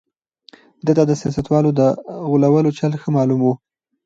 ده ته د سياستوالو د غولولو چل ښه معلوم و.